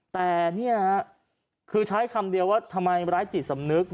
แต่นี่คือใช้คำเดียวว่าทำไมร้ายจิตสำนึก